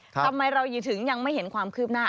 ทำไมเราถึงยังไม่เห็นความคืบหน้า